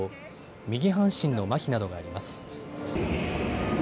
右半身のまひなどがあります。